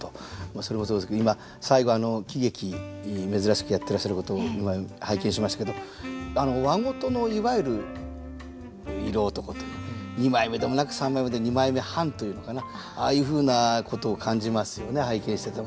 それもそうですけど今最後喜劇珍しくやってらっしゃることを今拝見しましたけど和事のいわゆる色男という二枚目でもなく三枚目で二枚目半というのかなああいうふうなことを感じますよね拝見してても。